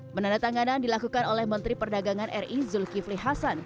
menandatanganan dilakukan oleh menteri perdagangan ri zulkifli hasan